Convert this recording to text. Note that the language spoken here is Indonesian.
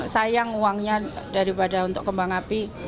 sayang uangnya daripada untuk kembang api